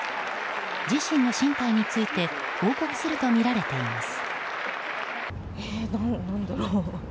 自身の進退について報告するとみられています。